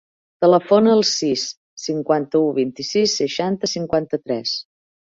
Telefona al sis, cinquanta-u, vint-i-sis, seixanta, cinquanta-tres.